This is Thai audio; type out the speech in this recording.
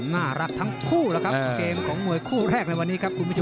น่ารักทั้งคู่แล้วครับเกมของมวยคู่แรกในวันนี้ครับคุณผู้ชม